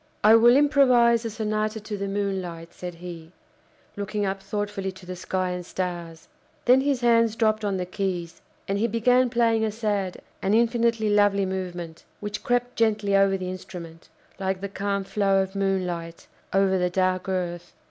"I will improvise a Sonata to the Moonlight!" said he, looking up thoughtfully to the sky and stars. Then his hands dropped on the keys, and he began playing a sad and infinitely lovely movement, which crept gently over the instrument, like the calm flow of moonlight over the dark earth.